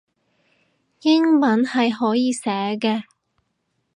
英文係可以寫嘅